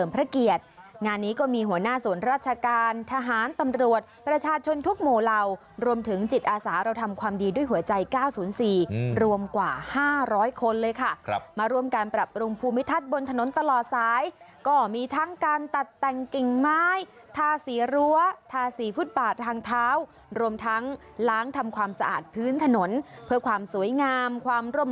พระเกียรติงานนี้ก็มีหัวหน้าศูนย์ราชการทหารตำรวจประชาชนทุกหมู่เหล่ารวมถึงจิตอาสาเราทำความดีด้วยหัวใจ๙๐๔รวมกว่า๕๐๐คนเลยค่ะมาร่วมการปรับปรุงภูมิทัศน์บนถนนตลอดสายก็มีทั้งการตัดแต่งกิ่งไม้ทาสีรั้วทาสีฟุตบาททางเท้ารวมทั้งล้างทำความสะอาดพื้นถนนเพื่อความสวยงามความร่ม